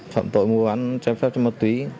phạm tội mua bán trái phép chất ma túy